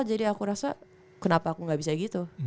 jadi aku rasa kenapa aku gak bisa gitu